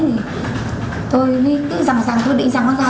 thì tôi cứ rằm rằm tôi định rằm con dao